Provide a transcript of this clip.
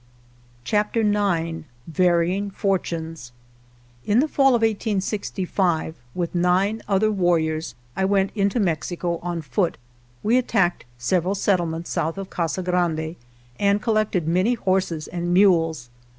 78 CHAPTER IX VARYING FORTUNES IN the fall of 1865 with nine other war riors I went into Mexico on foot. We attacked several settlements south of Casa Grande, and collected many horses and mules.